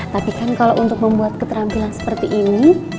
tapi kan kalau untuk membuat keterampilan seperti ini